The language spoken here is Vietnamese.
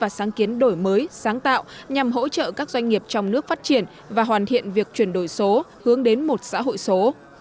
và sáng kiến đổi mới sáng tạo nhằm hỗ trợ các doanh nghiệp trong nước phát triển và hoàn thiện việc chuyển đổi số hướng đến một xã hội số